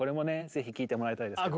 ぜひ聴いてもらいたいですね。